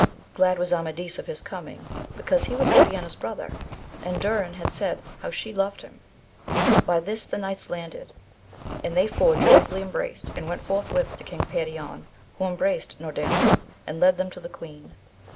Glad was Amadis of his coming, because he was Oriana's brother, and Durin had said how she loved him. By this the knights landed, and they four joyfully embraced, and went forthwith to King Perion, who embraced Norandel and led them to the queen.